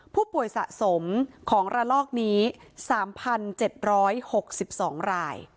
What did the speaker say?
ผู้ป่วยสะสมของระลอกนี้สามพันเจ็ดร้อยหกสิบสองราย